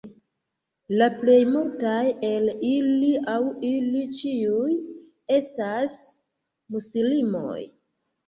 La plej multaj el ili aŭ ili ĉiuj estas muslimoj.